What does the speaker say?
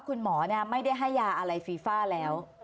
คุณหมอไม่ได้ให้ยาอะไรฟีฟ่าแล้ว